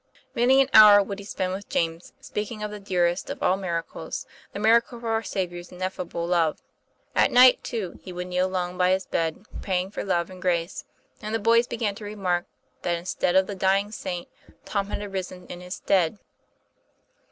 Many an hour would he spend with James, speaking of the dearest of all miracles, the miracle of Our Saviour's ineffable love. At night, too, he would kneel long by his bed praying for love and grace; and the boys began to remark that instead of the dying saint Tom had arisen in his stead.